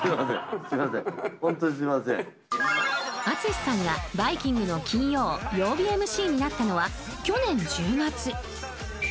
淳さんが「バイキング」の金曜曜日ＭＣになったのは去年１０月。